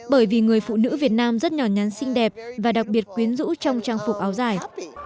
bởi vì người phụ nữ việt nam rất nhỏ nhắn xinh đẹp và đặc biệt quyến rũ trong trang phục áo dài